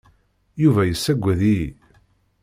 Yuba yessaggad-iyi.